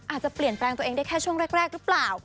อาจจะเปลี่ยนแปลงตัวเองได้แค่ช่วงแรกหรือเปล่า